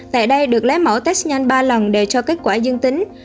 tại đây được lấy mẫu test nhanh ba lần đều cho kết quả dương tính